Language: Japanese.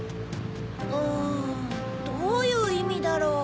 うんどういういみだろう？